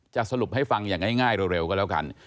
สรุปให้ฟังอย่างง่ายเร็วก็แล้วกัน